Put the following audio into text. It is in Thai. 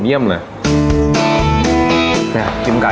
เยี่ยมเลยเนี่ยกินไก่อ่ะ